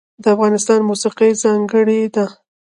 د افغانستان موسیقی ځانګړې ده